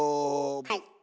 はい。